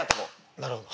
なるほど。